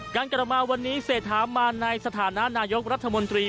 การกลับมาวันนี้เศรษฐามาในสถานะนายกรัฐมนตรี